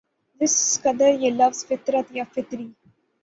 جس قدر یہ لفظ فطرت یا فطری